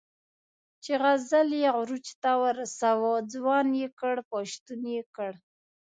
چې غزل یې عروج ته ورساوه، ځوان یې کړ، پښتون یې کړ.